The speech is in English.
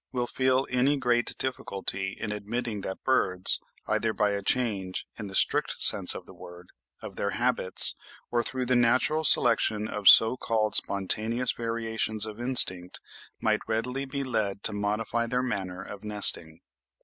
will feel any great difficulty in admitting that birds, either by a change (in the strict sense of the word) of their habits, or through the natural selection of so called spontaneous variations of instinct, might readily be led to modify their manner of nesting.